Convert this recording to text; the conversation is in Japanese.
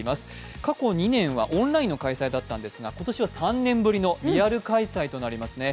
過去２年はオンラインの開催だったんですが、今年は３年ぶりのリアル開催となりますね。